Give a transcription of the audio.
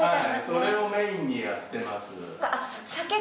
それをメインにやってます。